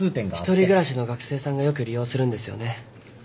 一人暮らしの学生さんがよく利用するんですよね？